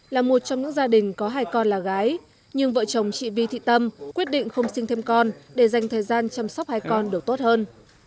là một trong những gia đình có hai con là gái nhưng vợ chồng chị vi thị tâm quyết định không sinh thêm con để dành thời gian chăm sóc hai con được tốt hơn